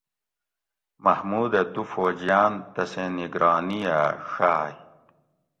محمودہ دو فوجیان تسیں نگرانی ھہ ڛائ